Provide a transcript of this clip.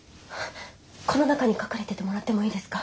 この中に隠れててもらってもいいですか？